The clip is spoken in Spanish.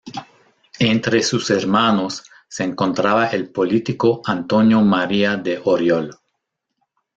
Entre sus hermanos se encontraba el político Antonio María de Oriol.